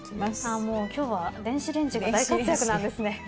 ああもう今日は電子レンジが大活躍なんですね。